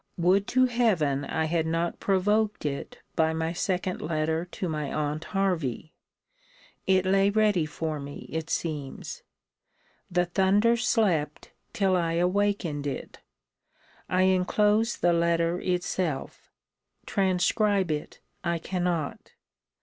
Would to Heaven I had not provoked it by my second letter to my aunt Hervey! It lay ready for me, it seems. The thunder slept, till I awakened it. I enclose the letter itself. Transcribe it I cannot.